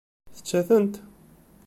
Tečča-ten?